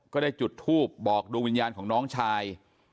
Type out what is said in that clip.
ก็ได้จุดทูบบอกดวงวิญญาณของน้องชาย